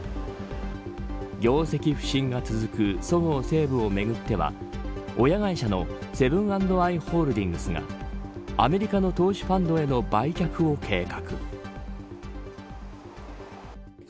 業績不振が続くそごう・西武をめぐっては親会社のセブン＆アイ・ホールディングスがアメリカの投資ファンドへの売却を計画。